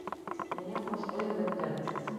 Минең хушбуйым бөткән.